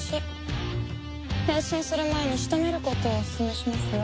変身する前に仕留めることをおすすめしますわ。